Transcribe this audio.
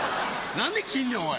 何で切んねんおい。